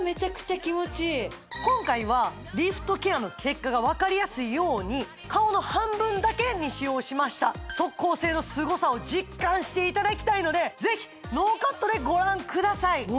今回はリフトケアの結果が分かりやすいように顔の半分だけに使用しました即効性のすごさを実感していただきたいのでぜひノーカットでご覧ください